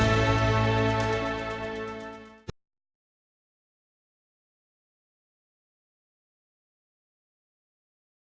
arti ati apa yang terjadi ini